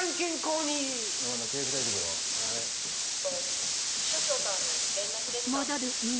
と副署長からの連絡でした。